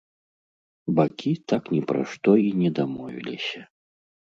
Бакі так ні пра што і не дамовіліся.